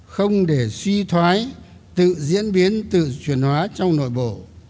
không để suy thoái tự diễn biến tự truyền hóa trong nội bộ